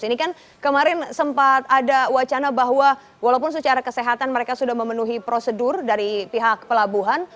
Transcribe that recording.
ini kan kemarin sempat ada wacana bahwa walaupun secara kesehatan mereka sudah memenuhi prosedur dari pihak pelabuhan